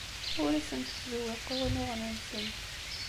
Ur asent-ttzewwiqeɣ unuɣen-nsent.